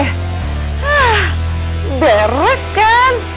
hah deres kan